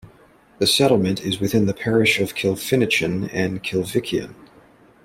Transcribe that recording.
The settlement is within the parish of Kilfinichen and Kilvickeon.